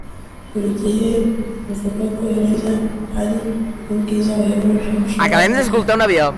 buri gihe mvuga ko ineza ari ubwiza buhebuje ushobora kugira